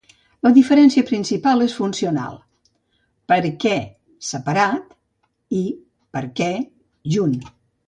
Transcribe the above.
La diferència principal és funcional: per què separat i perquè junt